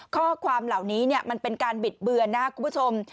ข้อความเหล่านี้มันเป็นการบิดเบือนนะครับคุณผู้ชม